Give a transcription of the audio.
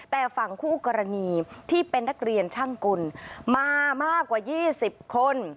แต่ฝั่งคู่กรณีที่เป็นนักเรียนช่างกุลมามากกว่า๒๐คน